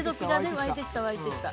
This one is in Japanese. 沸いてきた沸いてきた。